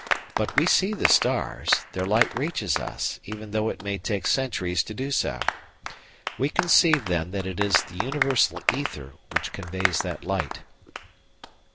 But we see the stars; their light reaches us, even though it may take centuries to do so. We conceive, then, that it is the universal ether which conveys that light.